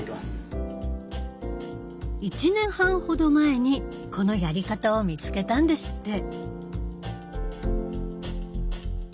１年半ほど前にこのやり方を見つけたんですって。